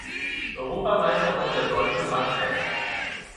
Europameister wurde der Deutsche Max Heß.